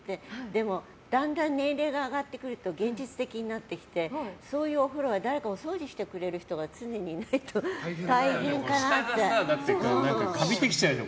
でもだんだん年齢が上がってくると現実的になってきてそういうお風呂は誰かお掃除してくれる人が常にいないと大変かなって。